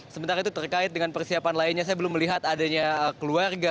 sementara itu terkait dengan persiapan lainnya saya belum melihat adanya keluarga